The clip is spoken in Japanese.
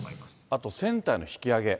あと船体の引き揚げ。